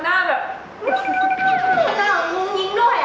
หน้ากงงยิ้งด้วย